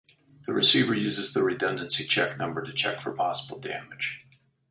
The receiver uses the redundancy check number to check for possible damage.